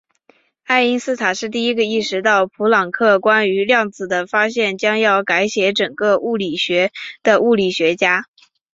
爱因斯坦是第一个意识到普朗克关于量子的发现将要改写整个物理学的物理学家。